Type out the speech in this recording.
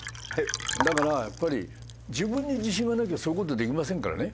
だからやっぱり自分に自信がなきゃそういう事できませんからね。